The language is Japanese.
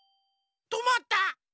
とまった！